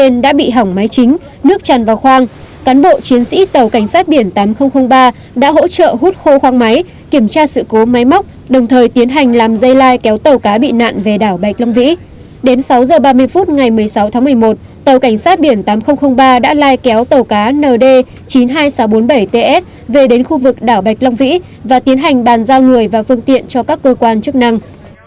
tàu cảnh sát biển tám nghìn ba đã lai kéo tàu cá nd chín mươi hai nghìn sáu trăm bốn mươi bảy ts về đến khu vực đảo bạch long vĩ và tiến hành bàn giao người và phương tiện cho các cơ quan chức năng